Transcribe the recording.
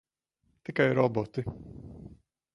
Tikai roboti.